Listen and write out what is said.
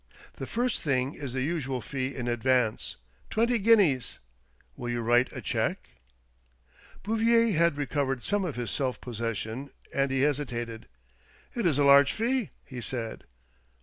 The first thing is the usual fee in advance — twenty guineas. Will you write a cheque ?" Bouvier had recovered some of his self posses sion, and he hesitated. "It is a large fee," he said.